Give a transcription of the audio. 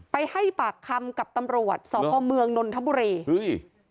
ไปให้ปากคำกับตำรวจสพเมืองนนทบุรีอุ้ย